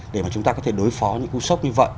để mà chúng ta có thể đối phó những cú sốc như vậy